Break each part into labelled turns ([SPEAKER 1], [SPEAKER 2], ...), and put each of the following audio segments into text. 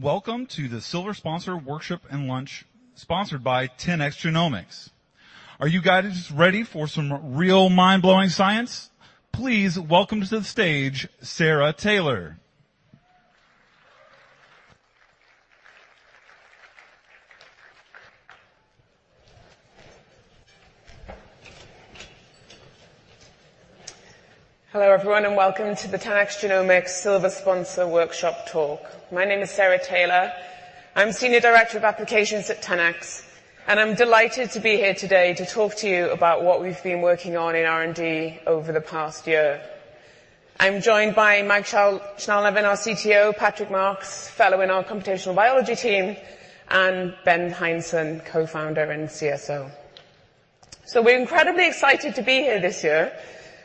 [SPEAKER 1] Welcome to the Silver Sponsor Workshop and Lunch, sponsored by 10x Genomics. Are you guys ready for some real mind-blowing science? Please welcome to the stage, Sarah Taylor.
[SPEAKER 2] Hello, everyone, and welcome to the 10x Genomics Silver Sponsor Workshop talk. My name is Sarah Taylor. I'm Senior Director of Applications at 10x, and I'm delighted to be here today to talk to you about what we've been working on in R&D over the past year. I'm joined by Mike Schnall-Levin, our CTO, Patrick Marks, fellow in our computational biology team, and Ben Hindson, Co-Founder and CSO. We're incredibly excited to be here this year,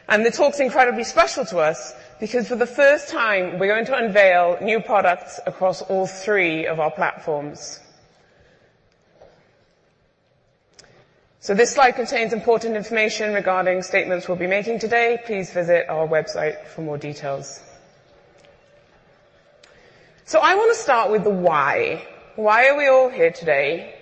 [SPEAKER 2] and the talk's incredibly special to us because for the first time, we're going to unveil new products across all three of our platforms. This slide contains important information regarding statements we'll be making today. Please visit our website for more details. I want to start with the why. Why are we all here today?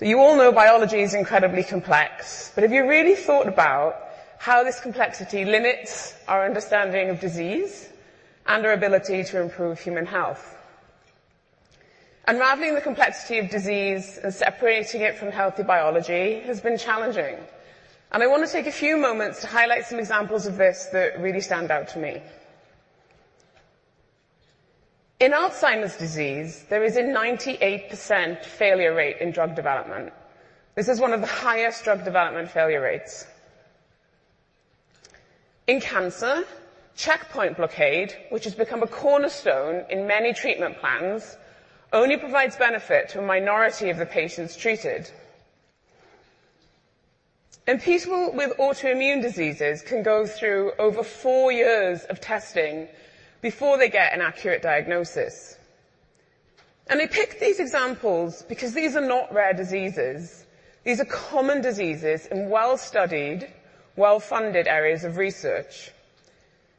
[SPEAKER 2] You all know biology is incredibly complex, but have you really thought about how this complexity limits our understanding of disease and our ability to improve human health? Unraveling the complexity of disease and separating it from healthy biology has been challenging, and I want to take a few moments to highlight some examples of this that really stand out to me. In Alzheimer's disease, there is a 98% failure rate in drug development. This is one of the highest drug development failure rates. In cancer, checkpoint blockade, which has become a cornerstone in many treatment plans, only provides benefit to a minority of the patients treated. People with autoimmune diseases can go through over four years of testing before they get an accurate diagnosis. I picked these examples because these are not rare diseases. These are common diseases in well-studied, well-funded areas of research.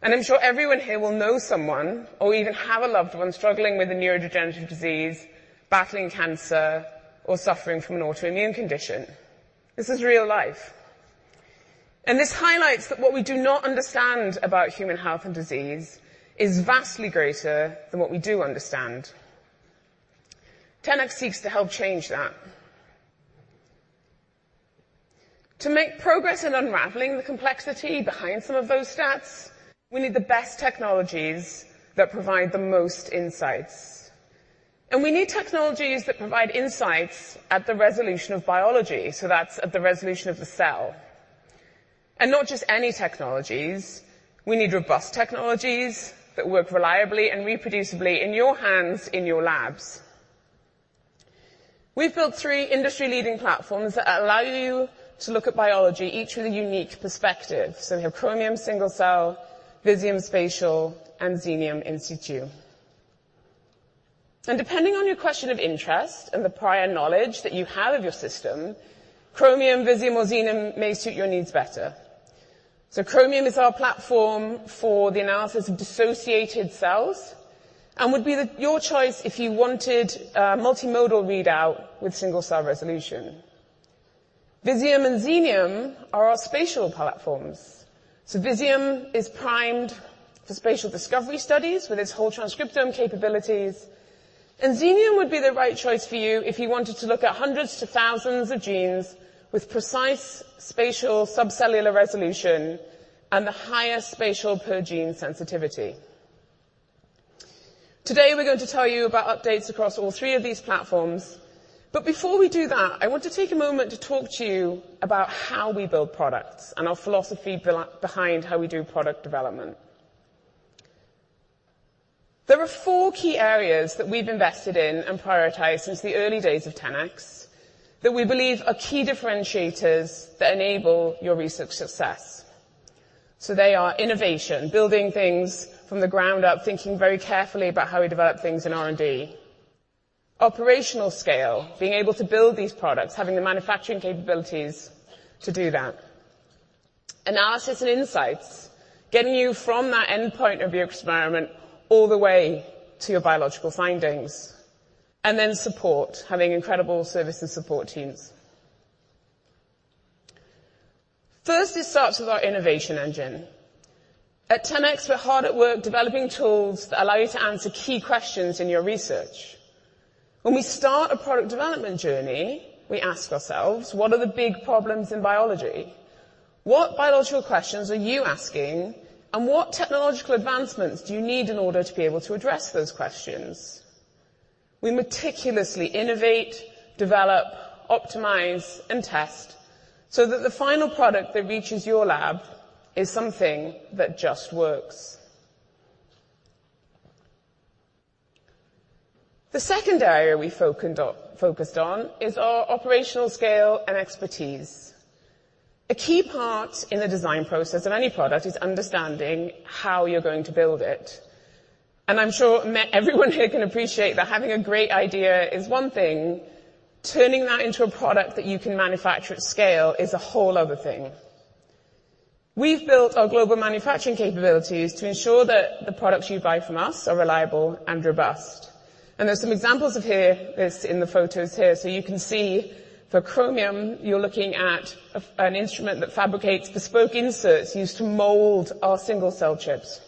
[SPEAKER 2] I'm sure everyone here will know someone or even have a loved one struggling with a neurodegenerative disease, battling cancer, or suffering from an autoimmune condition. This is real life, and this highlights that what we do not understand about human health and disease is vastly greater than what we do understand. 10x seeks to help change that. To make progress in unraveling the complexity behind some of those stats, we need the best technologies that provide the most insights, and we need technologies that provide insights at the resolution of biology, so that's at the resolution of the cell. Not just any technologies. We need robust technologies that work reliably and reproducibly in your hands, in your labs. We've built three industry-leading platforms that allow you to look at biology, each with a unique perspective. We have Chromium Single Cell, Visium Spatial, and Xenium In Situ. Depending on your question of interest and the prior knowledge that you have of your system, Chromium, Visium, or Xenium may suit your needs better. So Chromium is our platform for the analysis of dissociated cells and would be your choice if you wanted a multimodal readout with single-cell resolution. Visium and Xenium are our spatial platforms. So Visium is primed for spatial discovery studies with its whole transcriptome capabilities, and Xenium would be the right choice for you if you wanted to look at hundreds to thousands of genes with precise spatial subcellular resolution and the highest spatial per gene sensitivity. Today, we're going to tell you about updates across all three of these platforms, but before we do that, I want to take a moment to talk to you about how we build products and our philosophy behind how we do product development. There are four key areas that we've invested in and prioritized since the early days of 10x, that we believe are key differentiators that enable your research success. They are innovation, building things from the ground up, thinking very carefully about how we develop things in R&D. Operational scale, being able to build these products, having the manufacturing capabilities to do that. Analysis and insights, getting you from that endpoint of your experiment all the way to your biological findings, and then support, having incredible service and support teams. First, it starts with our innovation engine. At 10x, we're hard at work developing tools that allow you to answer key questions in your research. When we start a product development journey, we ask ourselves: What are the big problems in biology? What biological questions are you asking, and what technological advancements do you need in order to be able to address those questions? We meticulously innovate, develop, optimize, and test so that the final product that reaches your lab is something that just works. The second area we focused on is our operational scale and expertise. A key part in the design process of any product is understanding how you're going to build it. And I'm sure everyone here can appreciate that having a great idea is one thing. Turning that into a product that you can manufacture at scale is a whole other thing. We've built our global manufacturing capabilities to ensure that the products you buy from us are reliable and robust. And there's some examples of here, this in the photos here. You can see for Chromium, you're looking at an instrument that fabricates bespoke inserts used to mold our single-cell chips.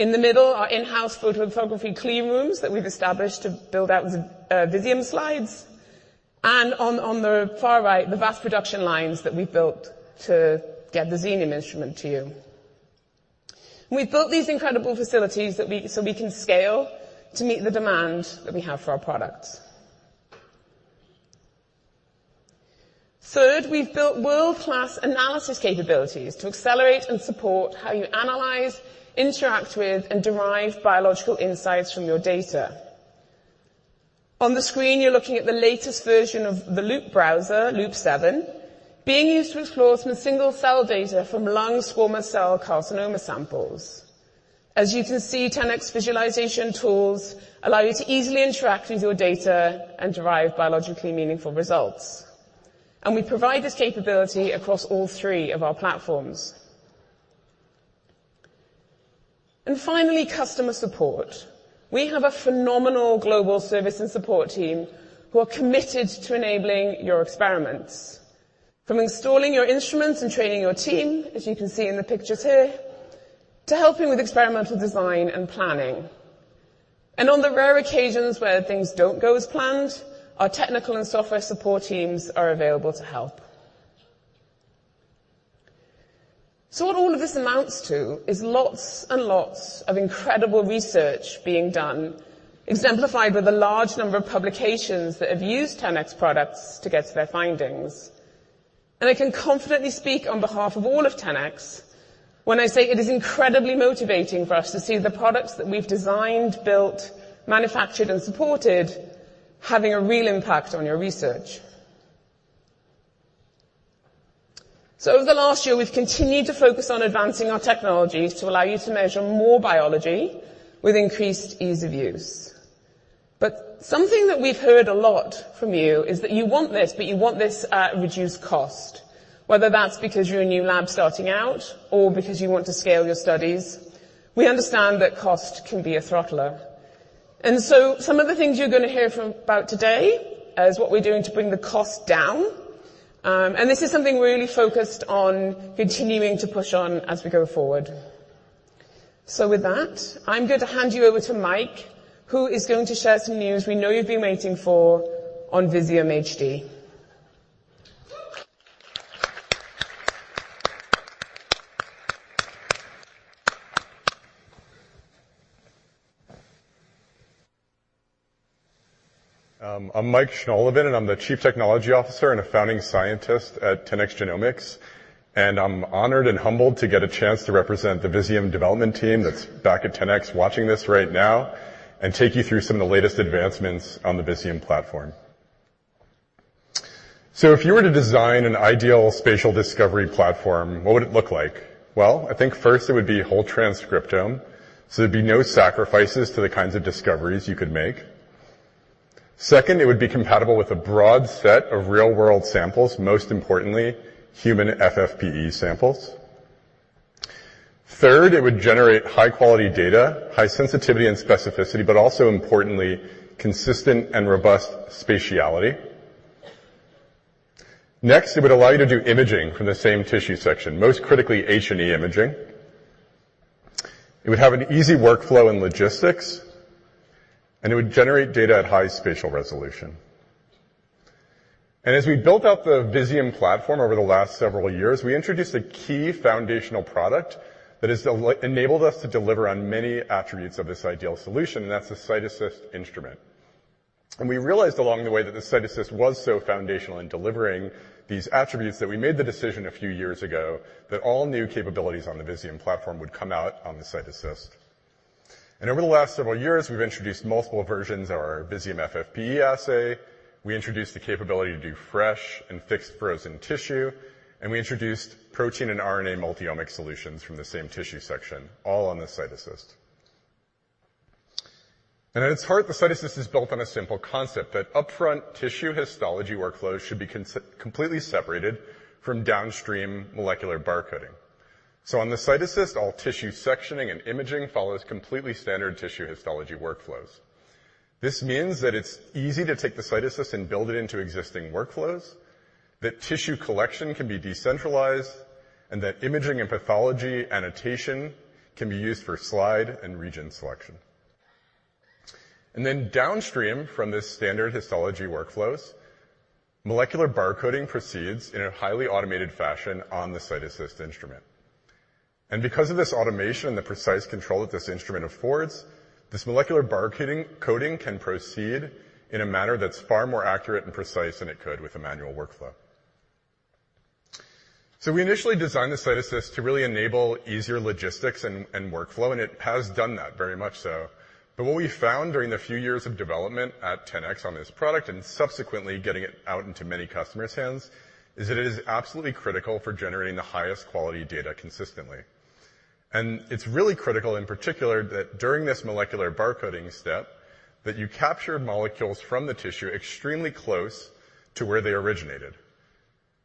[SPEAKER 2] In the middle, our in-house photolithography clean rooms that we've established to build out the Visium slides, and on the far right, the vast production lines that we've built to get the Xenium instrument to you. We've built these incredible facilities so we can scale to meet the demand that we have for our products. Third, we've built world-class analysis capabilities to accelerate and support how you analyze, interact with, and derive biological insights from your data. On the screen, you're looking at the latest version of the Loupe Browser, Loupe 7, being used to explore some single-cell data from lung squamous cell carcinoma samples. As you can see, 10x visualization tools allow you to easily interact with your data and derive biologically meaningful results, and we provide this capability across all three of our platforms. Finally, customer support. We have a phenomenal global service and support team who are committed to enabling your experiments, from installing your instruments and training your team, as you can see in the pictures here, to helping with experimental design and planning. On the rare occasions where things don't go as planned, our technical and software support teams are available to help. What all of this amounts to is lots and lots of incredible research being done, exemplified with a large number of publications that have used 10x products to get to their findings. I can confidently speak on behalf of all of 10x when I say it is incredibly motivating for us to see the products that we've designed, built, manufactured, and supported, having a real impact on your research. Over the last year, we've continued to focus on advancing our technologies to allow you to measure more biology with increased ease of use. But something that we've heard a lot from you is that you want this, but you want this at reduced cost. Whether that's because you're a new lab starting out or because you want to scale your studies, we understand that cost can be a throttler. Some of the things you're gonna hear from about today is what we're doing to bring the cost down. This is something we're really focused on continuing to push on as we go forward. With that, I'm going to hand you over to Mike, who is going to share some news we know you've been waiting for on Visium HD.
[SPEAKER 3] I'm Michael Schnall-Levin, and I'm the Chief Technology Officer and a founding scientist at 10x Genomics, and I'm honored and humbled to get a chance to represent the Visium development team that's back at 10x watching this right now, and take you through some of the latest advancements on the Visium platform. If you were to design an ideal spatial discovery platform, what would it look like? Well, I think first it would be whole transcriptome, so there'd be no sacrifices to the kinds of discoveries you could make. Second, it would be compatible with a broad set of real-world samples, most importantly, human FFPE samples. Third, it would generate high-quality data, high sensitivity and specificity, but also importantly, consistent and robust spatiality. Next, it would allow you to do imaging from the same tissue section, most critically, H&E imaging. It would have an easy workflow and logistics, and it would generate data at high spatial resolution. As we built out the Visium platform over the last several years, we introduced a key foundational product that has enabled us to deliver on many attributes of this ideal solution, and that's the CytAssist instrument. We realized along the way that the CytAssist was so foundational in delivering these attributes, that we made the decision a few years ago that all new capabilities on the Visium platform would come out on the CytAssist. Over the last several years, we've introduced multiple versions of our Visium FFPE assay, we introduced the capability to do fresh and fixed frozen tissue, and we introduced protein and RNA multiomic solutions from the same tissue section, all on the CytAssist. At its heart, the CytAssist is built on a simple concept that upfront tissue histology workflows should be completely separated from downstream molecular barcoding. On the CytAssist, all tissue sectioning and imaging follows completely standard tissue histology workflows. This means that it's easy to take the CytAssist and build it into existing workflows, that tissue collection can be decentralized, and that imaging and pathology annotation can be used for slide and region selection. Then downstream from the standard histology workflows, molecular barcoding proceeds in a highly automated fashion on the CytAssist instrument. Because of this automation and the precise control that this instrument affords, this molecular barcoding can proceed in a manner that's far more accurate and precise than it could with a manual workflow. We initially designed the CytAssist to really enable easier logistics and, and workflow, and it has done that very much so. But what we found during the few years of development at 10x on this product, and subsequently getting it out into many customers' hands, is that it is absolutely critical for generating the highest quality data consistently. It's really critical, in particular, that during this molecular barcoding step, that you capture molecules from the tissue extremely close to where they originated.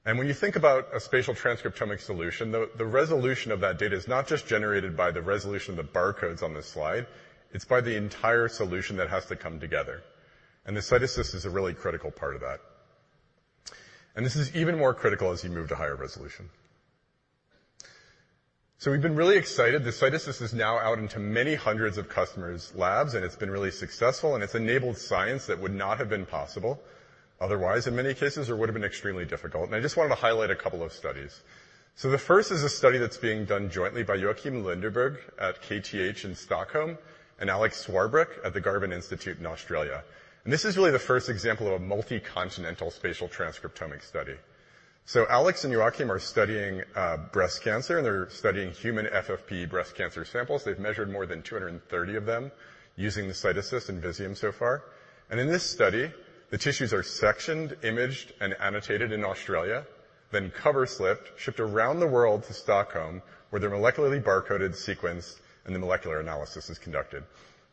[SPEAKER 3] When you think about a spatial transcriptomic solution, the resolution of that data is not just generated by the resolution of the barcodes on the slide; it's by the entire solution that has to come together. And the CytAssist is a really critical part of that. This is even more critical as you move to higher resolution. So we've been really excited. The CytAssist is now out into many hundreds of customers' labs, and it's been really successful, and it's enabled science that would not have been possible otherwise, in many cases, or would have been extremely difficult. I just wanted to highlight a couple of studies. The first is a study that's being done jointly by Joakim Lundeberg at KTH in Stockholm, and Alex Swarbrick at the Garvan Institute in Australia. This is really the first example of a multi-continental spatial transcriptomic study. Alex and Joakim are studying breast cancer, and they're studying human FFPE breast cancer samples. They've measured more than 230 of them using the CytAssist and Visium so far. In this study, the tissues are sectioned, imaged, and annotated in Australia, then coverslipped, shipped around the world to Stockholm, where they're molecularly barcoded, sequenced, and the molecular analysis is conducted.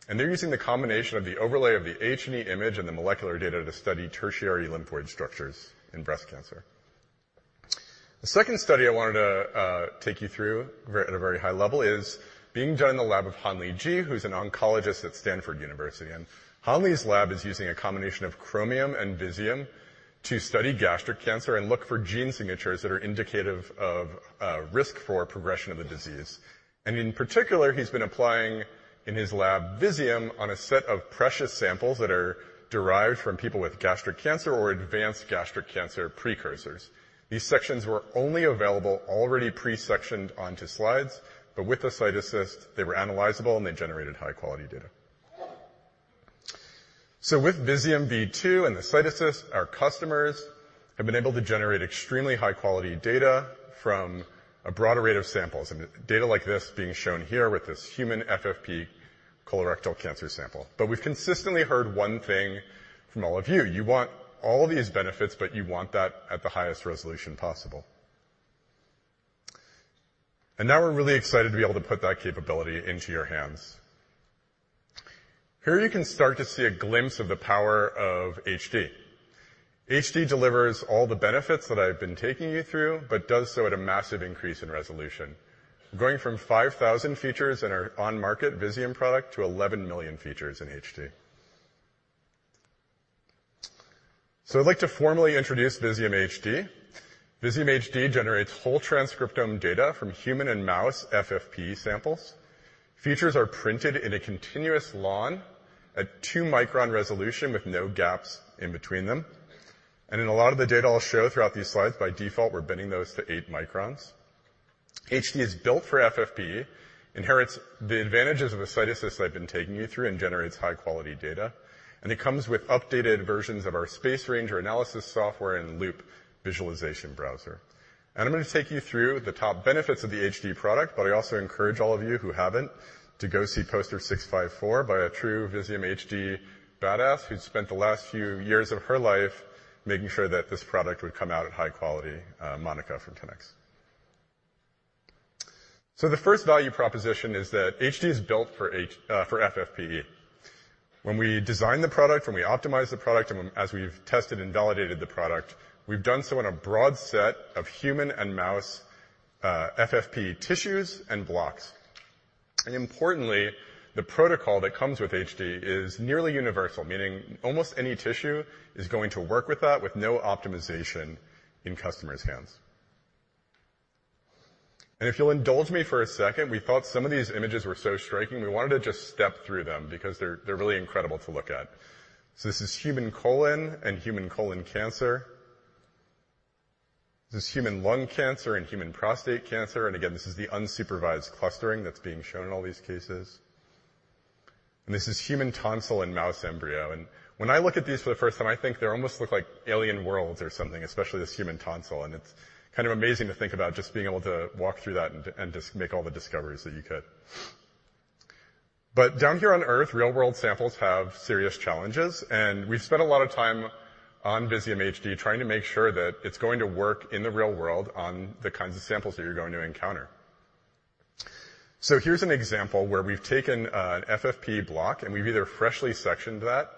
[SPEAKER 3] They're using the combination of the overlay of the H&E image and the molecular data to study tertiary lymphoid structures in breast cancer. The second study I wanted to take you through at a very high level is being done in the lab of Hanli Ji, who's an oncologist at Stanford University. Hanli's lab is using a combination of Chromium and Visium to study gastric cancer and look for gene signatures that are indicative of risk for progression of the disease. In particular, he's been applying, in his lab, Visium on a set of precious samples that are derived from people with gastric cancer or advanced gastric cancer precursors. These sections were only available already pre-sectioned onto slides, but with the CytAssist, they were analyzable, and they generated high-quality data. With Visium V2 and the CytAssist, our customers have been able to generate extremely high-quality data from a broad array of samples, and data like this being shown here with this human FFPE colorectal cancer sample. But we've consistently heard one thing from all of you: You want all these benefits, but you want that at the highest resolution possible. Now we're really excited to be able to put that capability into your hands. Here, you can start to see a glimpse of the power of HD. HD delivers all the benefits that I've been taking you through, but does so at a massive increase in resolution, going from 5,000 features in our on-market Visium product to 11 million features in HD. I'd like to formally introduce Visium HD. Visium HD generates whole transcriptome data from human and mouse FFPE samples. Features are printed in a continuous lawn at 2-micron resolution with no gaps in between them. In a lot of the data I'll show throughout these slides, by default, we're binning those to 8 microns. HD is built for FFPE, inherits the advantages of the CytAssist I've been taking you through and generates high-quality data, and it comes with updated versions of our Space Ranger analysis software and Loupe visualization browser. I'm gonna take you through the top benefits of the HD product, but I also encourage all of you who haven't to go see poster 654 by a true Visium HD badass, who's spent the last few years of her life making sure that this product would come out at high quality, Monica from 10x. The first value proposition is that HD is built for H&E, for FFPE. When we designed the product, when we optimized the product, and as we've tested and validated the product, we've done so on a broad set of human and mouse FFPE tissues and blocks. And importantly, the protocol that comes with HD is nearly universal, meaning almost any tissue is going to work with that with no optimization in customers' hands. If you'll indulge me for a second, we thought some of these images were so striking, we wanted to just step through them because they're really incredible to look at. This is human colon and human colon cancer. This is human lung cancer and human prostate cancer, and again, this is the unsupervised clustering that's being shown in all these cases. This is human tonsil and mouse embryo. When I look at these for the first time, I think they almost look like alien worlds or something, especially this human tonsil. It's kind of amazing to think about just being able to walk through that and just make all the discoveries that you could. But down here on Earth, real-world samples have serious challenges, and we've spent a lot of time on Visium HD, trying to make sure that it's going to work in the real world on the kinds of samples that you're going to encounter. Here's an example where we've taken an FFPE block, and we've either freshly sectioned that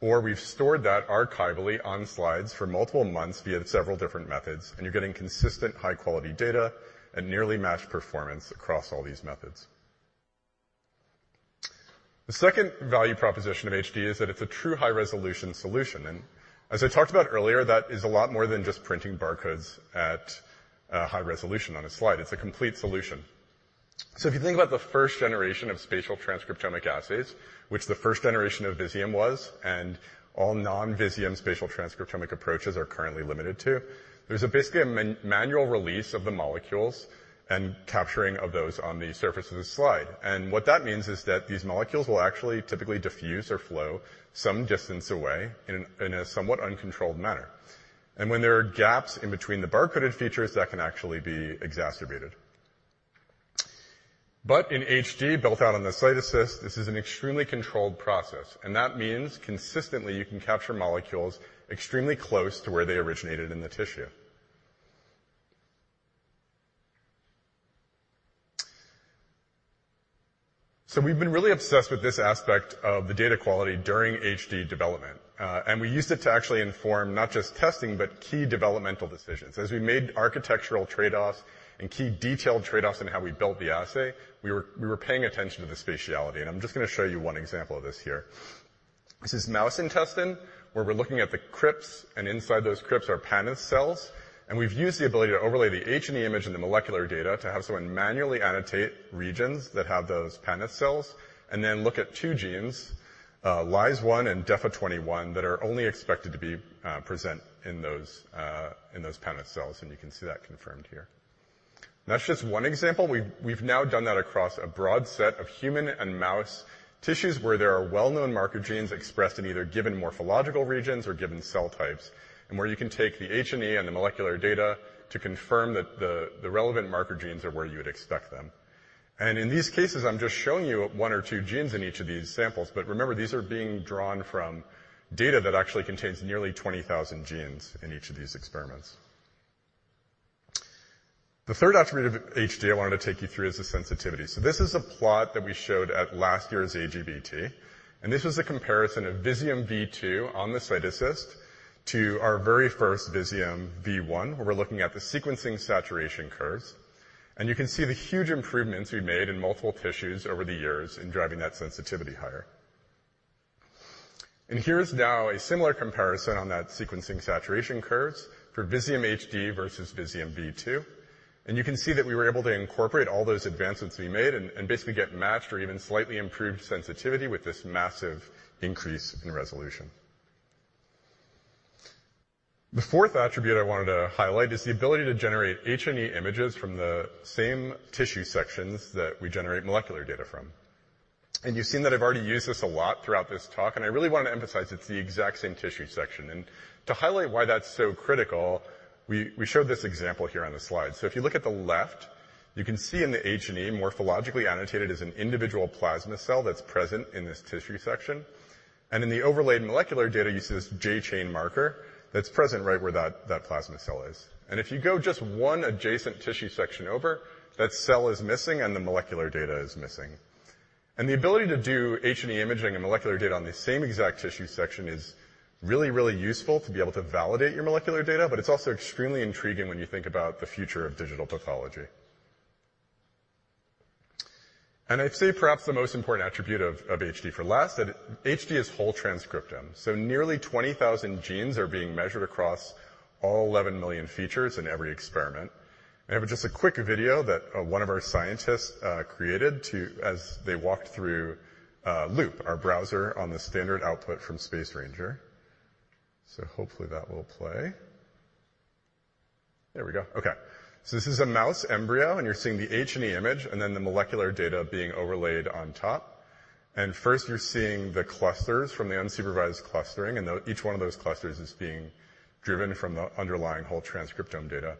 [SPEAKER 3] or we've stored that archivally on slides for multiple months via several different methods, and you're getting consistent, high-quality data and nearly matched performance across all these methods. The second value proposition of HD is that it's a true high-resolution solution, and as I talked about earlier, that is a lot more than just printing barcodes at a high resolution on a slide. It's a complete solution. If you think about the first generation of spatial transcriptomic assays, which the first generation of Visium was, and all non-Visium spatial transcriptomic approaches are currently limited to, there's basically a manual release of the molecules and capturing of those on the surface of the slide. What that means is that these molecules will actually typically diffuse or flow some distance away in a somewhat uncontrolled manner. When there are gaps in between the barcoded features, that can actually be exacerbated. But in HD, built out on the CytAssist, this is an extremely controlled process, and that means consistently, you can capture molecules extremely close to where they originated in the tissue... So we've been really obsessed with this aspect of the data quality during HD development. We used it to actually inform not just testing, but key developmental decisions. As we made architectural trade-offs and key detailed trade-offs in how we built the assay, we were, we were paying attention to the spatiality, and I'm just gonna show you one example of this here. This is mouse intestine, where we're looking at the crypts, and inside those crypts are Paneth cells, and we've used the ability to overlay the H&E image and the molecular data to have someone manually annotate regions that have those Paneth cells and then look at two genes, Lyz1 and Defa21, that are only expected to be present in those, in those Paneth cells, and you can see that confirmed here. That's just one example. We've now done that across a broad set of human and mouse tissues where there are well-known marker genes expressed in either given morphological regions or given cell types, and where you can take the H&E and the molecular data to confirm that the relevant marker genes are where you would expect them. In these cases, I'm just showing you one or two genes in each of these samples. Remember, these are being drawn from data that actually contains nearly 20,000 genes in each of these experiments. The third attribute of HD I wanted to take you through is the sensitivity. So this is a plot that we showed at last year's AGBT, and this was a comparison of Visium V2 on the CytAssist to our very first Visium V1, where we're looking at the sequencing saturation curves. You can see the huge improvements we've made in multiple tissues over the years in driving that sensitivity higher. Here's now a similar comparison on that sequencing saturation curves for Visium HD versus Visium V2. You can see that we were able to incorporate all those advancements we made and basically get matched or even slightly improved sensitivity with this massive increase in resolution. The fourth attribute I wanted to highlight is the ability to generate H&E images from the same tissue sections that we generate molecular data from. You've seen that I've already used this a lot throughout this talk, and I really want to emphasize it's the exact same tissue section. To highlight why that's so critical, we showed this example here on the slide. If you look at the left, you can see in the H&E, morphologically annotated as an individual plasma cell that's present in this tissue section. In the overlaid molecular data, you see this J chain marker that's present right where that, that plasma cell is. If you go just one adjacent tissue section over, that cell is missing and the molecular data is missing. The ability to do H&E imaging and molecular data on the same exact tissue section is really, really useful to be able to validate your molecular data, but it's also extremely intriguing when you think about the future of digital pathology. I'd say perhaps the most important attribute of Visium HD. First, that HD is whole transcriptome. So nearly 20,000 genes are being measured across all 11 million features in every experiment. I have just a quick video that one of our scientists created as they walked through Loupe, our browser on the standard output from Space Ranger. Hopefully that will play. There we go. Okay. This is a mouse embryo, and you're seeing the H&E image and then the molecular data being overlaid on top. First, you're seeing the clusters from the unsupervised clustering, and each one of those clusters is being driven from the underlying whole transcriptome data.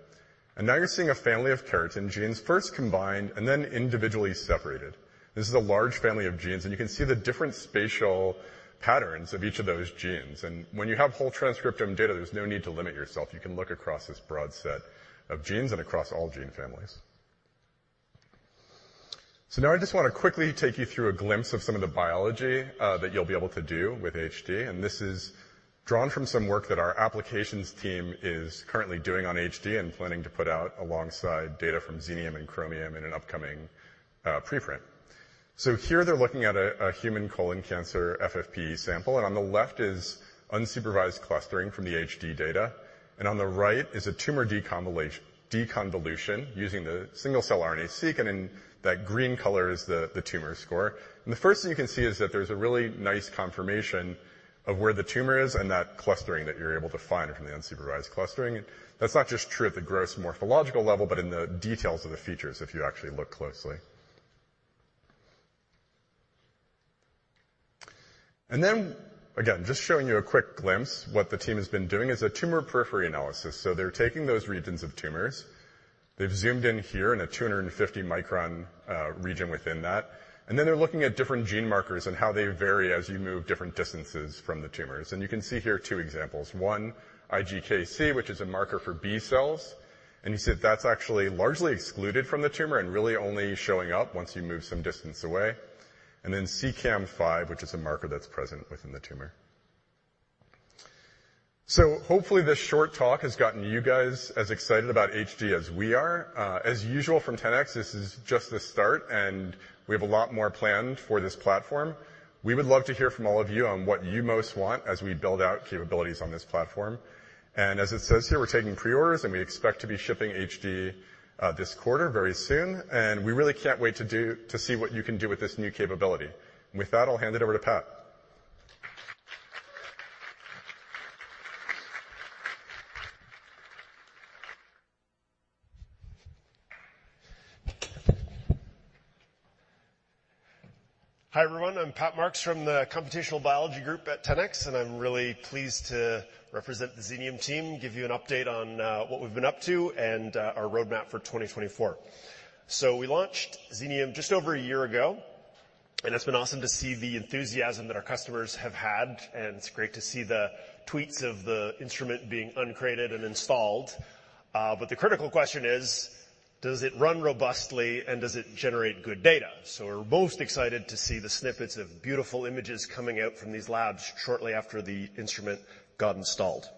[SPEAKER 3] Now you're seeing a family of keratin genes first combined and then individually separated. This is a large family of genes, and you can see the different spatial patterns of each of those genes. And when you have whole transcriptome data, there's no need to limit yourself. You can look across this broad set of genes and across all gene families. Now I just want to quickly take you through a glimpse of some of the biology that you'll be able to do with HD, and this is drawn from some work that our applications team is currently doing on HD and planning to put out alongside data from Xenium and Chromium in an upcoming preprint. Here they're looking at a human colon cancer FFPE sample, and on the left is unsupervised clustering from the HD data, and on the right is a tumor deconvolution using the single-cell RNA-seq, and then that green color is the tumor score. The first thing you can see is that there's a really ask confirmation of where the tumor is and that clustering that you're able to find from the unsupervised clustering. That's not just true at the gross morphological level, but in the details of the features, if you actually look closely. Again, just showing you a quick glimpse, what the team has been doing is a tumor periphery analysis. They're taking those regions of tumors. They've zoomed in here in a 250-micron region within that, and then they're looking at different gene markers and how they vary as you move different distances from the tumors. You can see here two examples: one, IGKC, which is a marker for B cells, and you see that's actually largely excluded from the tumor and really only showing up once you move some distance away. And then CEACAM5, which is a marker that's present within the tumor. So hopefully, this short talk has gotten you guys as excited about HD as we are. As usual, from 10x, this is just the start, and we have a lot more planned for this platform. We would love to hear from all of you on what you most want as we build out capabilities on this platform. As it says here, we're taking pre-orders, and we expect to be shipping HD this quarter, very soon, and we really can't wait to see what you can do with this new capability. With that, I'll hand it over to Pat.
[SPEAKER 4] Hi, everyone. I'm Patrick Marks from the Computational Biology group at 10x, and I'm really pleased to represent the Xenium team, give you an update on what we've been up to and our roadmap for 2024. We launched Xenium just over a year ago, and it's been awesome to see the enthusiasm that our customers have had, and it's great to see the tweets of the instrument being uncrated and installed. But the critical question is: Does it run robustly, and does it generate good data? So we're most excited to see the snippets of beautiful images coming out from these labs shortly after the instrument got installed.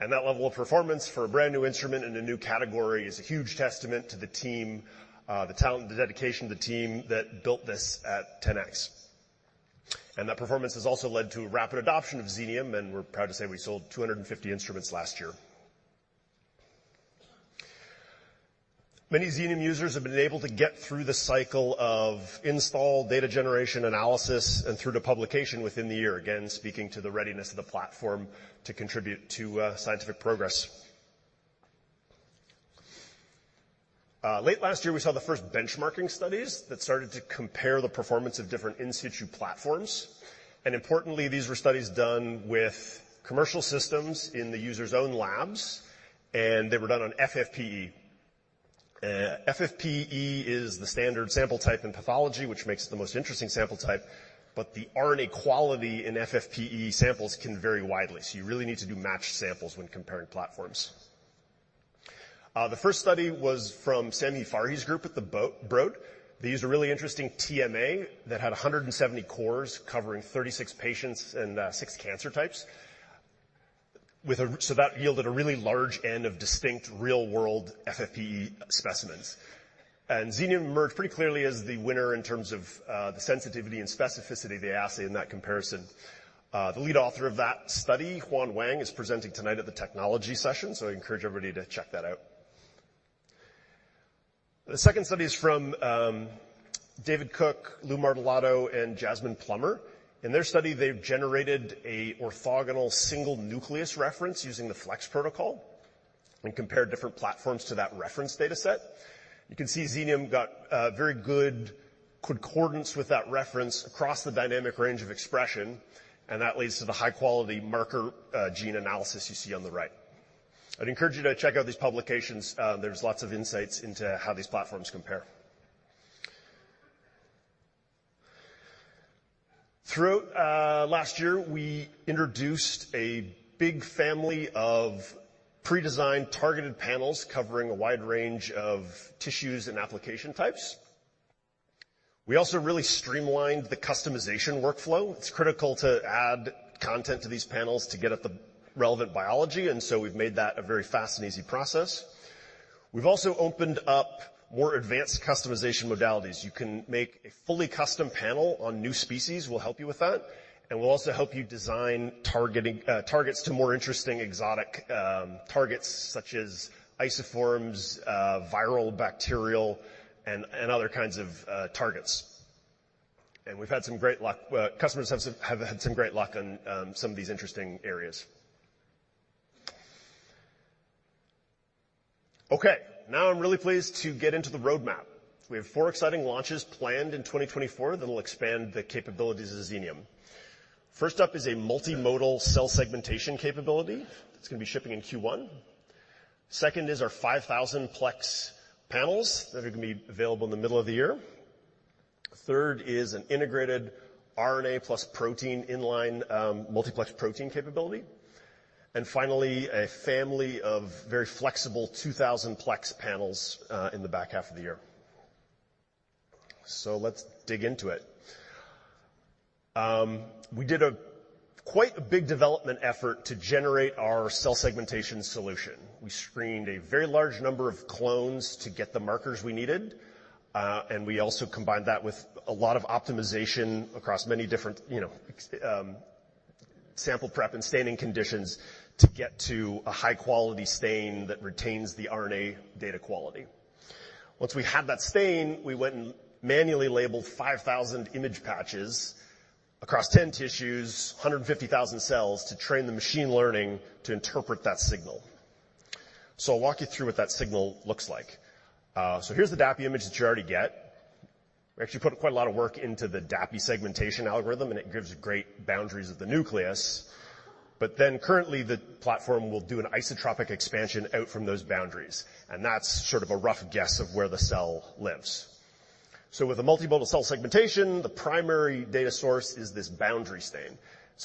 [SPEAKER 4] That level of performance for a brand new instrument in a new category is a huge testament to the team, the talent, the dedication of the team that built this at 10x. That performance has also led to a rapid adoption of Xenium, and we're proud to say we sold 250 instruments last year. Many Xenium users have been able to get through the cycle of install, data generation analysis, and through to publication within the year, again, speaking to the readiness of the platform to contribute to scientific progress. Late last year, we saw the first benchmarking studies that started to compare the performance of different in situ platforms, and importantly, these were studies done with commercial systems in the user's own labs, and they were done on FFPE. FFPE is the standard sample type in pathology, which makes it the most interesting sample type, but the RNA quality in FFPE samples can vary widely, so you really need to do matched samples when comparing platforms. The first study was from Sami Farhi group at the Broad. They used a really interesting TMA that had 170 cores covering 36 patients and six cancer types. That yielded a really large N of distinct real-world FFPE specimens. Xenium emerged pretty clearly as the winner in terms of the sensitivity and specificity of the assay in that comparison. The lead author of that study, Huan Wang, is presenting tonight at the technology session, so I encourage everybody to check that out. The second study is from David Cook, Lou Martelotto, and Jasmine Plummer. In their study, they've generated an orthogonal single nucleus reference using the Flex protocol and compared different platforms to that reference data set. You can see Xenium got very good concordance with that reference across the dynamic range of expression, and that leads to the high-quality marker gene analysis you see on the right. I'd encourage you to check out these publications. There's lots of insights into how these platforms compare. Throughout last year, we introduced a big family of pre-designed targeted panels covering a wide range of tissues and application types. We also really streamlined the customization workflow. It's critical to add content to these panels to get at the relevant biology, and so we've made that a very fast and easy process. We've also opened up more advanced customization modalities. You can make a fully custom panel on new species. We'll help you with that, and we'll also help you design targeting targets to more interesting, exotic targets, such as isoforms, viral, bacterial, and, and other kinds of targets. We've had some great luck, customers have had some great luck on some of these interesting areas. Okay, now I'm really pleased to get into the roadmap. We have 4 exciting launches planned in 2024 that will expand the capabilities of Xenium. First up is a multimodal cell segmentation capability. It's gonna be shipping in Q1. Second is our 5,000-plex panels that are gonna be available in the middle of the year. Third is an integrated RNA plus protein inline, multiplex protein capability, and finally, a family of very flexible 2,000-plex panels in the back half of the year. So let's dig into it. We did a quite a big development effort to generate our cell segmentation solution. We screened a very large number of clones to get the markers we needed, and we also combined that with a lot of optimization across many different, you know, sample prep and staining conditions to get to a high-quality stain that retains the RNA data quality. Once we had that stain, we went and manually labeled 5,000 image patches across 10 tissues, 150,000 cells, to train the machine learning to interpret that signal. So I'll walk you through what that signal looks like. So here's the DAPI image that you already get. We actually put quite a lot of work into the DAPI segmentation algorithm, and it gives great boundaries of the nucleus, but then currently, the platform will do an isotropic expansion out from those boundaries, and that's sort of a rough guess of where the cell lives. So with the multimodal cell segmentation, the primary data source is this boundary stain,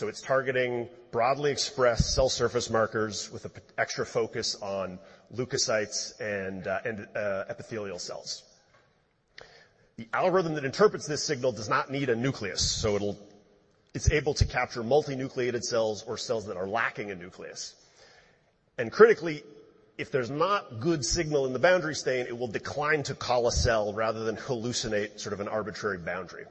[SPEAKER 4] it's targeting broadly expressed cell surface markers with an extra focus on leukocytes and epithelial cells. The algorithm that interprets this signal does not need a nucleus, it's able to capture multinucleated cells or cells that are lacking a nucleus. Critically, if there's not good signal in the boundary stain, it will decline to call a cell rather than hallucinate sort of an arbitrary boundary.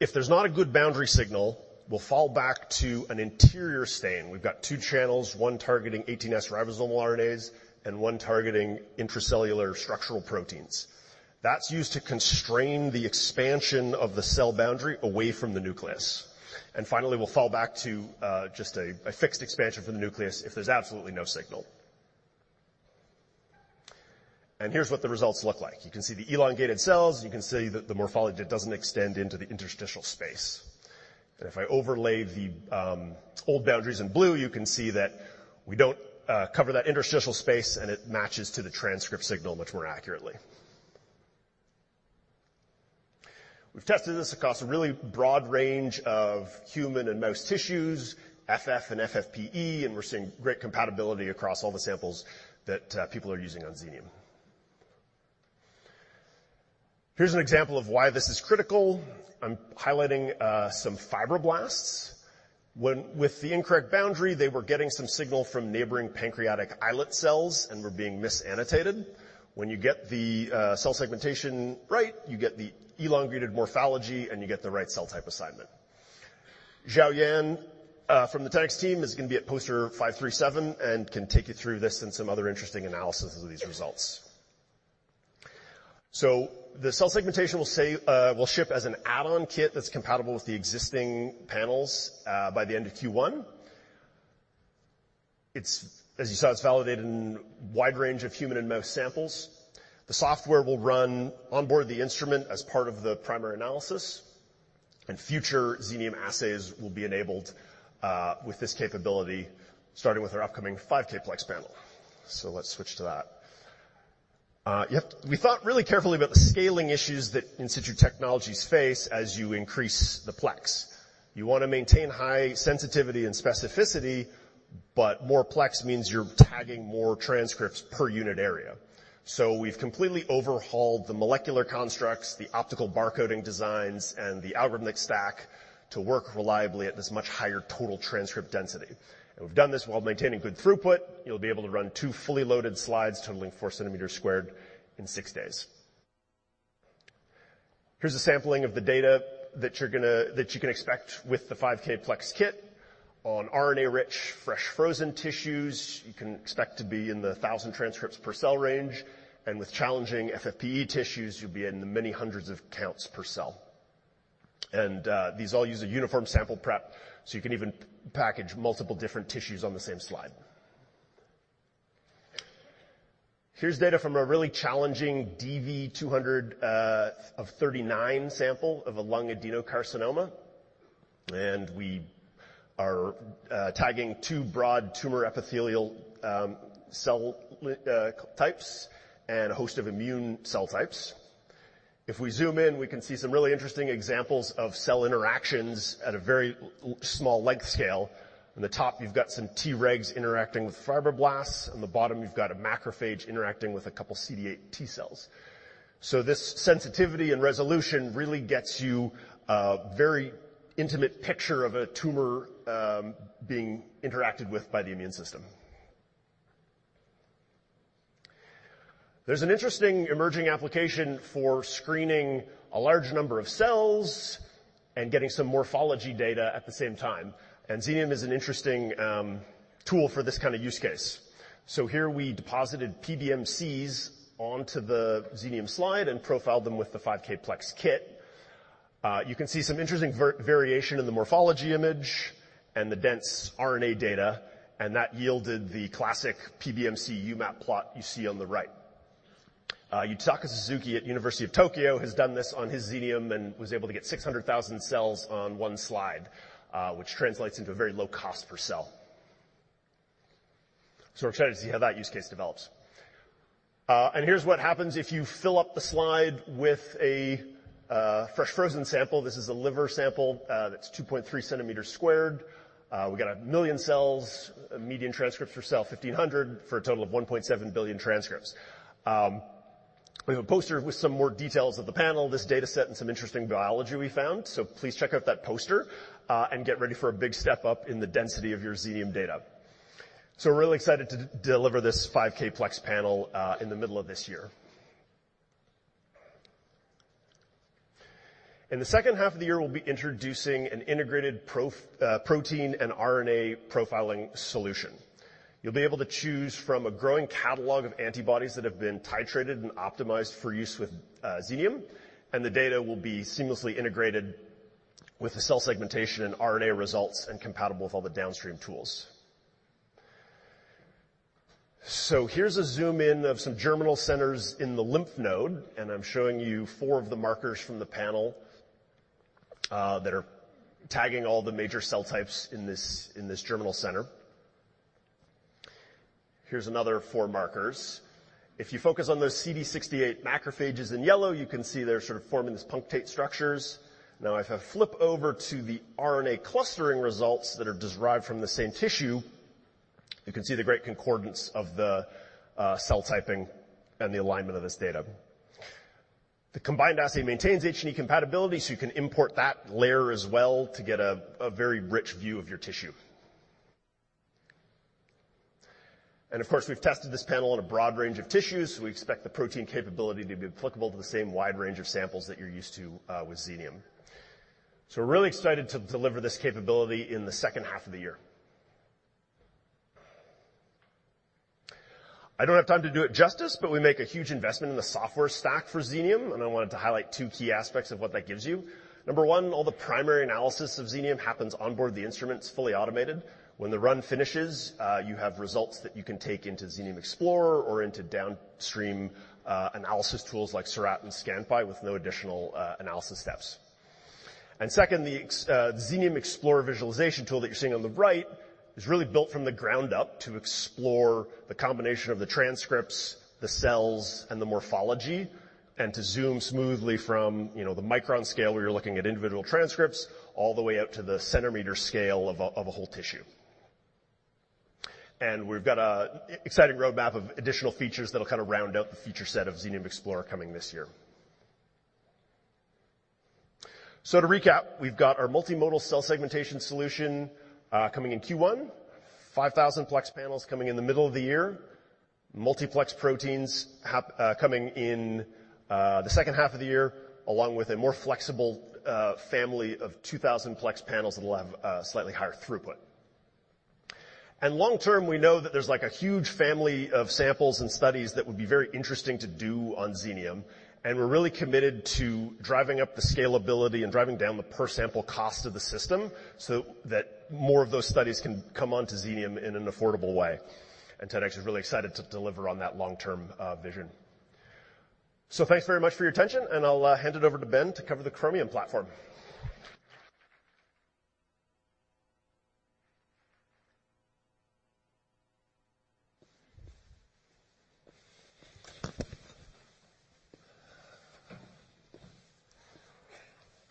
[SPEAKER 4] If there's not a good boundary signal, we'll fall back to an interior stain. We've got two channels, one targeting 18S ribosomal RNAs and one targeting intracellular structural proteins. That's used to constrain the expansion of the cell boundary away from the nucleus. Finally, we'll fall back to just a fixed expansion from the nucleus if there's absolutely no signal. Here's what the results look like. You can see the elongated cells. You can see that the morphology, it doesn't extend into the interstitial space. And if I overlay the old boundaries in blue, you can see that we don't cover that interstitial space, and it matches to the transcript signal much more accurately.... We've tested this across a really broad range of human and mouse tissues, FF and FFPE, and we're seeing great compatibility across all the samples that people are using on Xenium... Here's an example of why this is critical. I'm highlighting some fibroblasts. When with the incorrect boundary, they were getting some signal from neighboring pancreatic islet cells and were being misannotated. When you get the cell segmentation right, you get the elongated morphology, and you get the right cell type assignment. Xiao Yan from the tech team is gonna be at poster 537 and can take you through this and some other interesting analysis of these results. The cell segmentation will say, will ship as an add-on kit that's compatible with the existing panels by the end of Q1. It's as you saw, it's validated in a wide range of human and mouse samples. The software will run onboard the instrument as part of the primary analysis, and future Xenium assays will be enabled with this capability, starting with our upcoming 5K plex panel. Let's switch to that. You have to... We thought really carefully about the scaling issues that in situ technologies face as you increase the plex. You want to maintain high sensitivity and specificity, but more plex means you're tagging more transcripts per unit area. We've completely overhauled the molecular constructs, the optical barcoding designs, and the algorithmic stack to work reliably at this much higher total transcript density. We've done this while maintaining good throughput. You'll be able to run 2 fully loaded slides, totaling 4 square centimeters in 6 days. Here's a sampling of the data that you can expect with the 5K plex kit. On RNA-rich, fresh frozen tissues, you can expect to be in the 1,000 transcripts per cell range, and with challenging FFPE tissues, you'll be in the many hundreds of counts per cell. These all use a uniform sample prep, so you can even package multiple different tissues on the same slide. Here's data from a really challenging DV200 of 39 sample of a lung adenocarcinoma, and we are tagging two broad tumor epithelial cell types and a host of immune cell types. If we zoom in, we can see some really interesting examples of cell interactions at a very small length scale. On the top, you've got some T regs interacting with fibroblasts. On the bottom, you've got a macrophage interacting with a couple of CD8 T cells. So this sensitivity and resolution really gets you a very intimate picture of a tumor being interacted with by the immune system. There's an interesting emerging application for screening a large number of cells and getting some morphology data at the same time, and Xenium is an interesting tool for this kind of use case. Here we deposited PBMCs onto the Xenium slide and profiled them with the 5K plex kit. You can see some interesting variation in the morphology image and the dense RNA data, and that yielded the classic PBMC UMAP plot you see on the right. Yutaka Suzuki at University of Tokyo has done this on his Xenium and was able to get 600,000 cells on one slide, which translates into a very low cost per cell. We're excited to see how that use case develops. And here's what happens if you fill up the slide with a fresh frozen sample. This is a liver sample that's 2.3 centimeters squared. We got 1 million cells, median transcripts per cell 1,500, for a total of 1.7 billion transcripts. We have a poster with some more details of the panel, this data set, and some interesting biology we found, please check out that poster and get ready for a big step up in the density of your Xenium data. We're really excited to deliver this 5K plex panel in the middle of this year. In the second half of the year, we'll be introducing an integrated protein and RNA profiling solution. You'll be able to choose from a growing catalog of antibodies that have been titrated and optimized for use with Xenium, and the data will be seamlessly integrated with the cell segmentation and RNA results and compatible with all the downstream tools. Here's a zoom-in of some germinal centers in the lymph node, and I'm showing you four of the markers from the panel that are tagging all the major cell types in this, in this germinal center. Here's another four markers. If you focus on those CD68 macrophages in yellow, you can see they're sort of forming these punctate structures. Now, if I flip over to the RNA clustering results that are derived from the same tissue, you can see the great concordance of the cell typing and the alignment of this data. The combined assay maintains H&E compatibility, so you can import that layer as well to get a very rich view of your tissue. Of course, we've tested this panel on a broad range of tissues. We expect the protein capability to be applicable to the same wide range of samples that you're used to with Xenium. We're really excited to deliver this capability in the second half of the year. I don't have time to do it justice, but we make a huge investment in the software stack for Xenium, and I wanted to highlight two key aspects of what that gives you. Number one, all the primary analysis of Xenium happens on board the instruments, fully automated. When the run finishes, you have results that you can take into Xenium Explorer or into downstream, analysis tools like Seurat and Scanpy with no additional, analysis steps. Second, the Xenium Explorer visualization tool that you're seeing on the right is really built from the ground up to explore the combination of the transcripts, the cells, and the morphology. To zoom smoothly from, you know, the micron scale, where you're looking at individual transcripts, all the way out to the centimeter scale of a whole tissue. And we've got a exciting roadmap of additional features that'll kind of round out the feature set of Xenium Explorer coming this year. To recap, we've got our multimodal cell segmentation solution coming in Q1, 5,000 plex panels coming in the middle of the year, multiplex proteins capability coming in the second half of the year, along with a more flexible family of 2,000 plex panels that will have slightly higher throughput. Long term, we know that there's, like, a huge family of samples and studies that would be very interesting to do on Xenium, and we're really committed to driving up the scalability and driving down the per sample cost of the system, so that more of those studies can come onto Xenium in an affordable way. 10x is really excited to deliver on that long-term vision. So thanks very much for your attention, and I'll hand it over to Ben to cover the Chromium platform.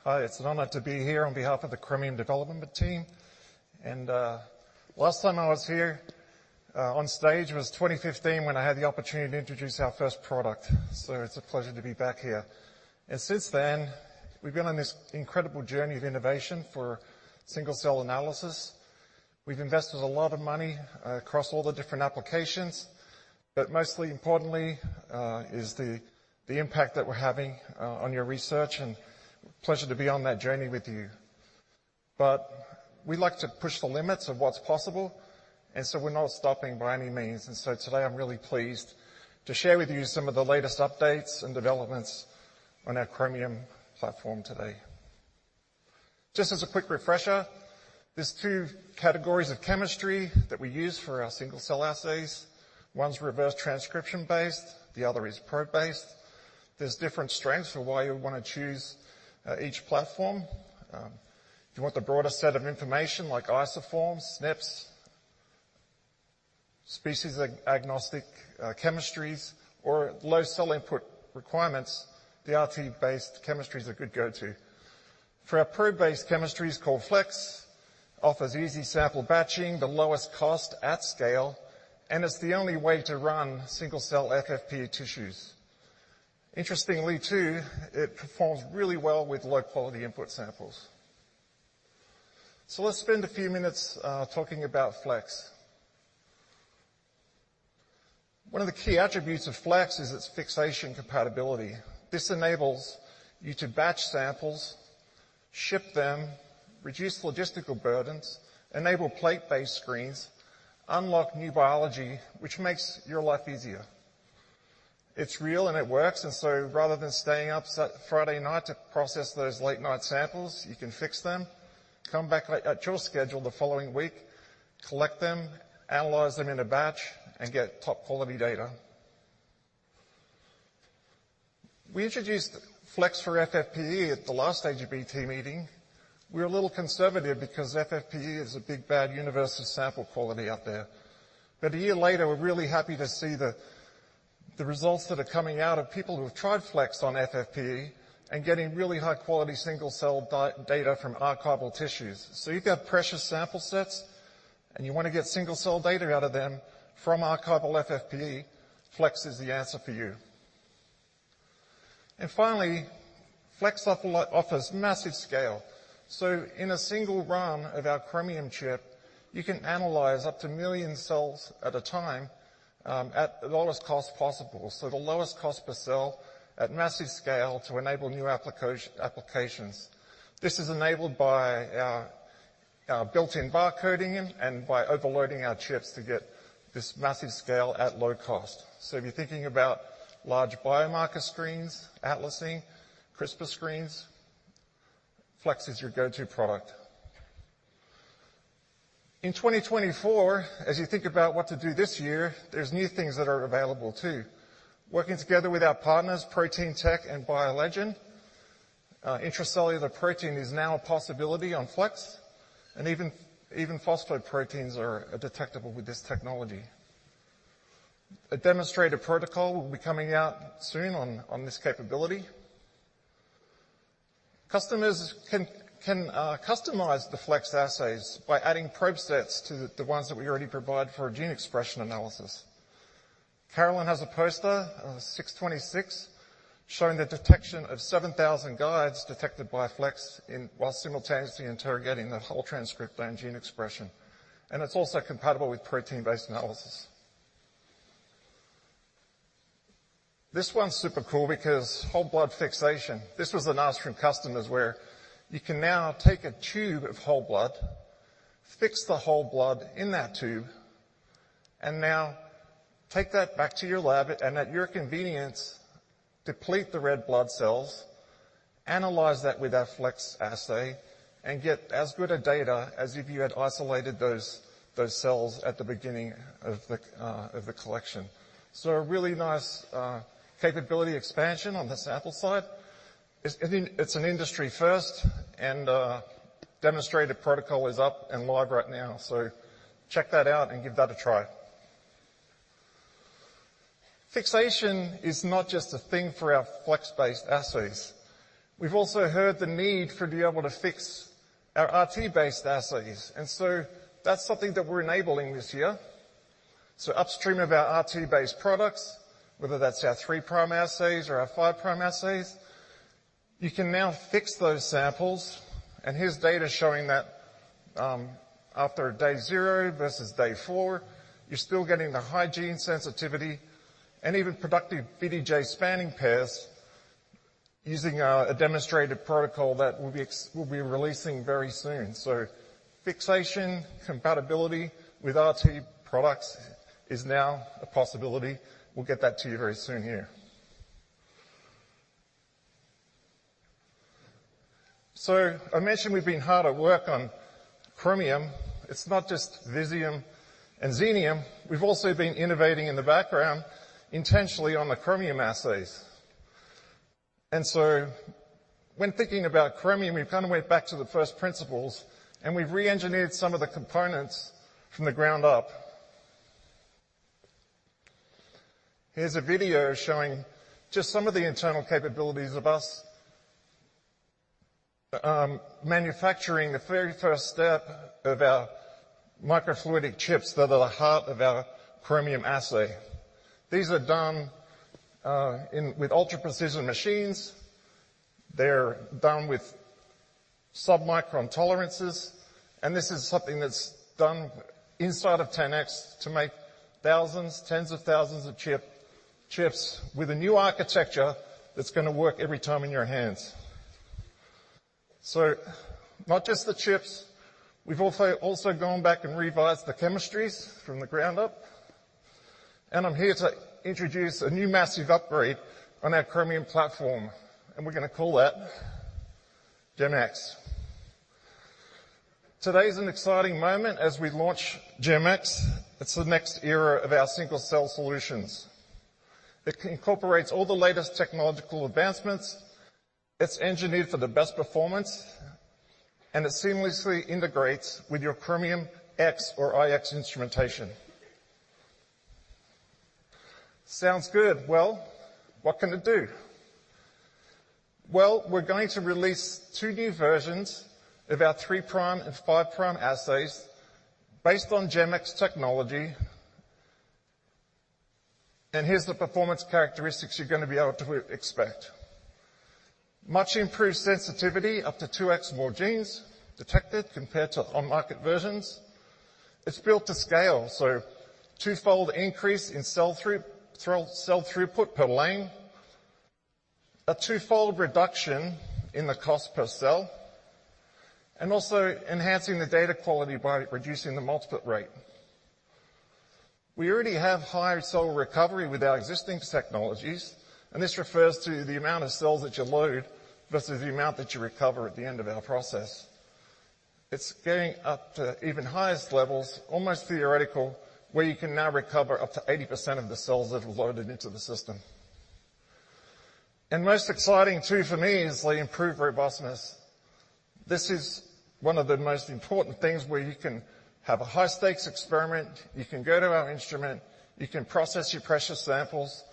[SPEAKER 5] Hi, it's an honor to be here on behalf of the Chromium development team. Last time I was here on stage was 2015, when I had the opportunity to introduce our first product, It's a pleasure to be back here. And since then, we've been on this incredible journey of innovation for single-cell analysis. We've invested a lot of money across all the different applications, but most importantly, is the impact that we're having on your research, and pleasure to be on that journey with you. But we like to push the limits of what's possible, and so we're not stopping by any means. And so today I'm really pleased to share with you some of the latest updates and developments on our Chromium platform today. Just as a quick refresher, there's two categories of chemistry that we use for our single-cell assays. One's reverse transcription-based, the other is probe-based. There's different strengths for why you'll want to choose each platform. If you want the broader set of information like isoforms, SNPs, species-agnostic chemistries, or low cell input requirements, the RT-based chemistry is a good go-to. For our probe-based chemistries, called Flex, offers easy sample batching, the lowest cost at scale, and it's the only way to run single-cell FFPE tissues. Interestingly, too, it performs really well with low-quality input samples. So let's spend a few minutes talking about Flex. One of the key attributes of Flex is its fixation compatibility. This enables you to batch samples, ship them, reduce logistical burdens, enable plate-based screens, unlock new biology, which makes your life easier. It's real, and it works, and so rather than staying up Friday night to process those late-night samples, you can fix them, come back at your schedule the following week, collect them, analyze them in a batch, and get top-quality data. We introduced Flex for FFPE at the last AGBT meeting. We're a little conservative because FFPE is a big, bad universe of sample quality out there. But a year later, we're really happy to see the results that are coming out of people who have tried Flex on FFPE and getting really high-quality single-cell data from archival tissues. So you've got precious sample sets, and you want to get single-cell data out of them from archival FFPE, Flex is the answer for you. Finally, Flex offers massive scale. In a single run of our Chromium chip, you can analyze up to 1 million cells at a time at the lowest cost possible. The lowest cost per cell at massive scale to enable new applications. This is enabled by our built-in bar coding and by overloading our chips to get this massive scale at low cost. So if you're thinking about large biomarker screens, atlasing, CRISPR screens, Flex is your go-to product. In 2024, as you think about what to do this year, there's new things that are available too. Working together with our partners, Proteintech and BioLegend, intracellular protein is now a possibility on Flex, and even phosphoproteins are detectable with this technology. A demonstrator protocol will be coming out soon on this capability. Customers can customize the Flex assays by adding probe sets to the ones that we already provide for a gene expression analysis. Carolyn has a poster 626, showing the detection of 7,000 guides detected by Flex while simultaneously interrogating the whole transcript and gene expression, and it's also compatible with protein-based analysis. This one's super cool because whole blood fixation, this was the nice from customers, where you can now take a tube of whole blood, fix the whole blood in that tube, and now take that back to your lab and at your convenience, deplete the red blood cells, analyze that with our Flex assay and get as good a data as if you had isolated those cells at the beginning of the collection. So a really nice capability expansion on the sample side. It's an industry first, and demonstrated protocol is up and live right now, so check that out and give that a try. Fixation is not just a thing for our Flex-based assays. We've also heard the need for being able to fix our RT-based assays, and so that's something that we're enabling this year. So upstream of our RT-based products, whether that's our 3 prime assays or our 5 prime assays, you can now fix those samples, and here's data showing that after day 0 versus day 4, you're still getting the high gene sensitivity and even productive VDJ spanning pairs using a demonstrated protocol that we'll be releasing very soon. So fixation compatibility with RT products is now a possibility. We'll get that to you very soon here. So I mentioned we've been hard at work on Chromium. It's not just Visium and Xenium. We've also been innovating in the background intentionally on the Chromium assays. When thinking about Chromium, we've kind of went back to the first principles, and we've reengineered some of the components from the ground up. Here's a video showing just some of the internal capabilities of us, manufacturing the very first step of our microfluidic chips that are the heart of our Chromium assay. These are done in with ultra-precision machines. They're done with submicron tolerances, and this is something that's done inside of 10x to make thousands, tens of thousands of chip, chips with a new architecture that's gonna work every time in your hands. So not just the chips, we've also, also gone back and revised the chemistries from the ground up. I'm here to introduce a new massive upgrade on our Chromium platform, and we're gonna call that GEM-X. Today is an exciting moment as we launch GEM-X. It's the next era of our single-cell solutions. It incorporates all the latest technological advancements, it's engineered for the best performance, and it seamlessly integrates with your Chromium X or iX instrumentation. Sounds good. Well, what can it do? Well, we're going to release two new versions of our 3' and 5' assays based on GEM-X technology. Here's the performance characteristics you're gonna be able to expect. Much improved sensitivity, up to 2x more genes detected compared to on-market versions. It's built to scale, so twofold increase in cell throughput per lane, a twofold reduction in the cost per cell, and also enhancing the data quality by reducing the multiplet rate. We already have higher cell recovery with our existing technologies, and this refers to the amount of cells that you load versus the amount that you recover at the end of our process. It's getting up to even highest levels, almost theoretical, where you can now recover up to 80% of the cells that are loaded into the system. Most exciting too for me is the improved robustness. This is one of the most important things where you can have a high-stakes experiment, you can go to our instrument, you can process your precious samples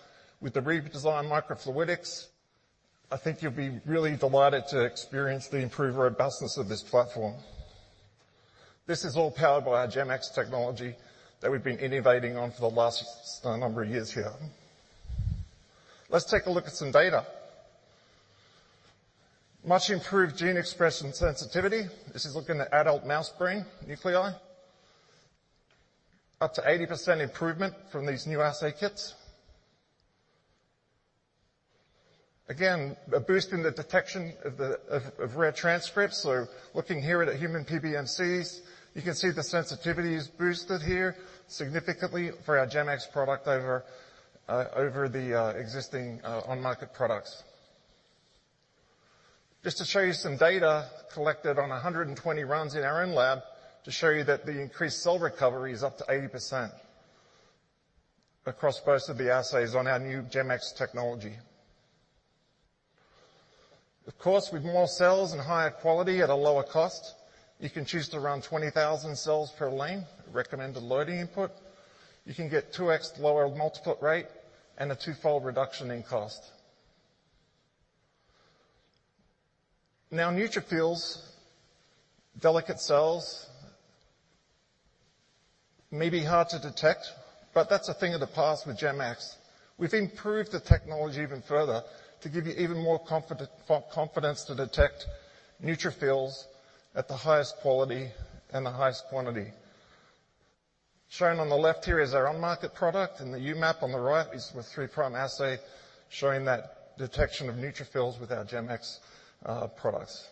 [SPEAKER 5] with the redesigned microfluidics. I think you'll be really delighted to experience the improved robustness of this platform. This is all powered by our GEM-X technology that we've been innovating on for the last number of years here. Let's take a look at some data. Much improved gene expression sensitivity. This is looking at adult mouse brain nuclei. Up to 80% improvement from these new assay kits. Again, a boost in the detection of the rare transcripts. So looking here at human PBMCs, you can see the sensitivity is boosted here significantly for our GEM-X product over the existing on-market products. Just to show you some data collected on 120 runs in our own lab to show you that the increased cell recovery is up to 80% across most of the assays on our new GEM-X technology. Of course, with more cells and higher quality at a lower cost, you can choose to run 20,000 cells per lane, recommended loading input. You can get 2x lower multiplet rate and a twofold reduction in cost. Now, neutrophils, delicate cells, may be hard to detect, but that's a thing of the past with GEM-X. We've improved the technology even further to give you even more confidence to detect neutrophils at the highest quality and the highest quantity. Shown on the left here is our on-market product, and the UMAP on the right is the three prime assay, showing that detection of neutrophils with our GEM-X products.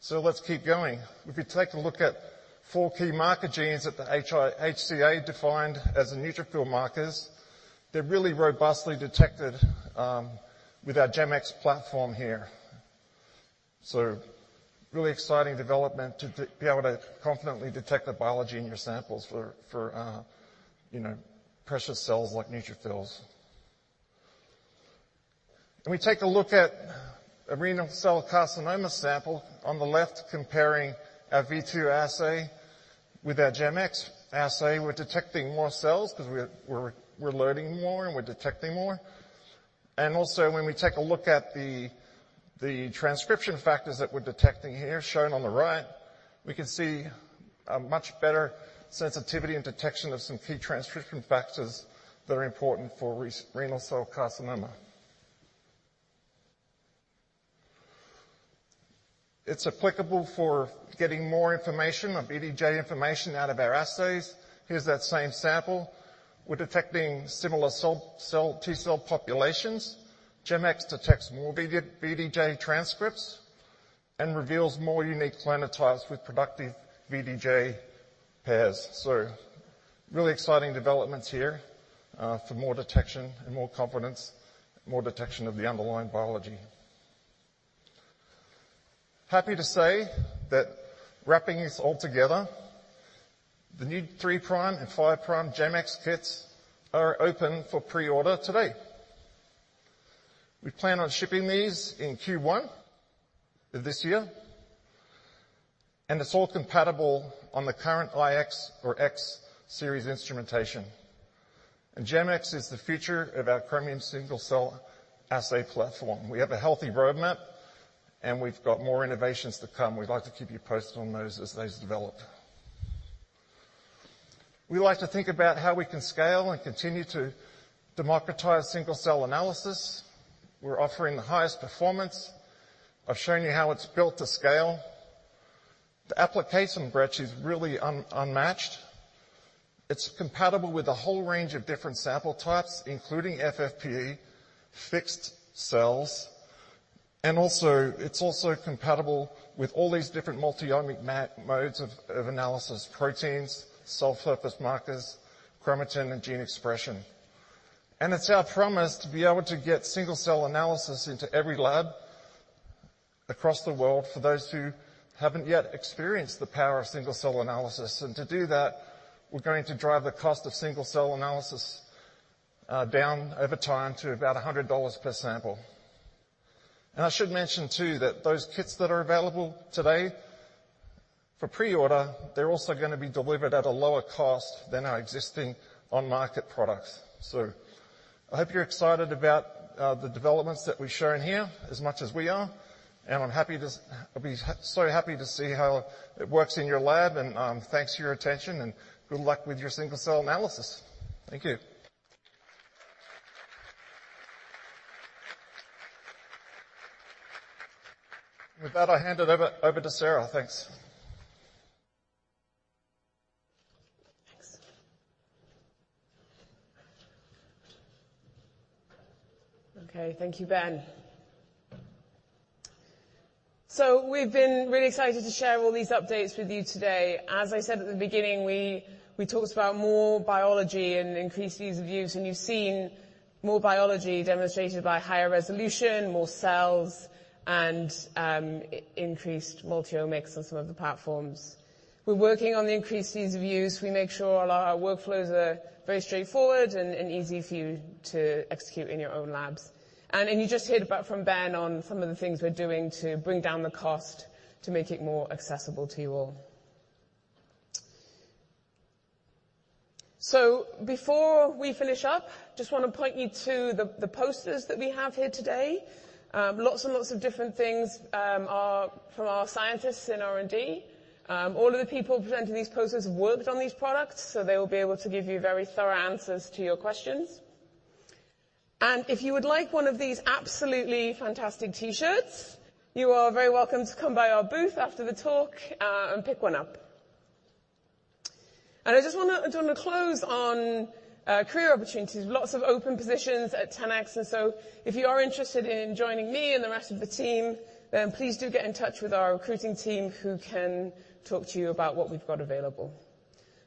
[SPEAKER 5] So let's keep going. If we take a look at four key marker genes that the HCA defined as the neutrophil markers. They're really robustly detected with our GEM-X platform here. Really exciting development to be able to confidently detect the biology in your samples for, for, you know, precious cells like neutrophils. When we take a look at a renal cell carcinoma sample, on the left comparing our V2 assay with our GEM-X assay, we're detecting more cells 'cause we're loading more and we're detecting more. Also, when we take a look at the transcription factors that we're detecting here, shown on the right, we can see a much better sensitivity and detection of some key transcription factors that are important for renal cell carcinoma. It's applicable for getting more information on VDJ information out of our assays. Here's that same sample. We're detecting similar T cell populations. GEM-X detects more VDJ transcripts and reveals more unique clonotypes with productive VDJ pairs. Really exciting developments here for more detection and more confidence, more detection of the underlying biology. Happy to say that wrapping this all together, the new 3' and 5' GEM-X kits are open for pre-order today. We plan on shipping these in Q1 of this year, and it's all compatible on the current iX or X Series instrumentation. GEM-X is the future of our Chromium single-cell assay platform. We have a healthy roadmap, and we've got more innovations to come. We'd like to keep you posted on those as those develop. We like to think about how we can scale and continue to democratize single-cell analysis. We're offering the highest performance. I've shown you how it's built to scale. The application breadth is really unmatched. It's compatible with a whole range of different sample types, including FFPE fixed cells, and also, it's also compatible with all these different multi-omic modes of analysis: proteins, cell surface markers, chromatin, and gene expression. It's our promise to be able to get single-cell analysis into every lab across the world for those who haven't yet experienced the power of single-cell analysis. And to do that, we're going to drive the cost of single-cell analysis down over time to about $100 per sample. I should mention, too, that those kits that are available today for pre-order, they're also gonna be delivered at a lower cost than our existing on-market products. I hope you're excited about the developments that we've shown here as much as we are, and I'm happy to. I'll be so happy to see how it works in your lab, and, thanks for your attention, and good luck with your single-cell analysis. Thank you. With that, I'll hand it over to Sarah. Thanks.
[SPEAKER 2] Thanks. Okay, thank you, Ben. We've been really excited to share all these updates with you today. As I said at the beginning, we talked about more biology and increased ease of use, and you've seen more biology demonstrated by higher resolution, more cells, and increased multiomics on some of the platforms. We're working on the increased ease of use. We make sure all our workflows are very straightforward and easy for you to execute in your own labs. And you just heard about from Ben on some of the things we're doing to bring down the cost to make it more accessible to you all. Before we finish up, just wanna point you to the posters that we have here today. Lots and lots of different things are from our scientists in R&D. All of the people presenting these posters have worked on these products, so they will be able to give you very thorough answers to your questions. If you would like one of these absolutely fantastic T-shirts, you are very welcome to come by our booth after the talk and pick one up. I just wanna close on career opportunities. Lots of open positions at 10x, and so if you are interested in joining me and the rest of the team, then please do get in touch with our recruiting team, who can talk to you about what we've got available.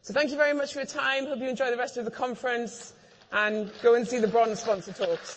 [SPEAKER 2] Thank you very much for your time. Hope you enjoy the rest of the conference, and go and see the bronze sponsor talks.